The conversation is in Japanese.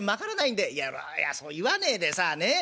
「いやそう言わねえでさねえ。